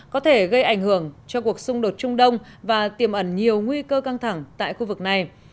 có thể gây ảnh hưởng cho cuộc xung đột trung đông và tiềm ẩn nhiều nguy cơ căng thẳng tại khu vực này